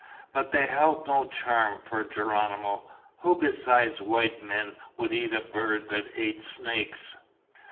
But they held no charm for Geronimo. Who besides white men would eat a bird that ate snakes?